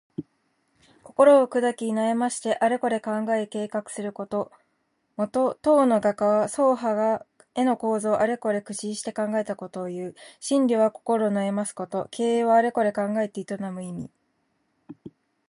心をくだき、悩ましてあれこれ考え計画すること。もと、唐の画家の曹覇が絵の構図をあれこれ苦心して考えたことをいう。「惨憺」は心を悩ますこと。「経営」はあれこれ考えて営む意。